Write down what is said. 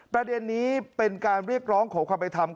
ประเด็นนี้เป็นการเรียกร้องขอความเป็นธรรม